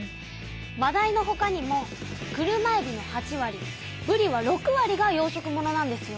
まだいのほかにも車えびの８割ぶりは６割が養殖ものなんですよ。